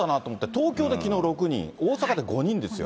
東京できのう６人、大阪で５人ですよ。